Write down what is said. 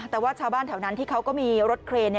แต่ว่าชาวบ้านแถวนั้นที่เขาก็มีรถเครน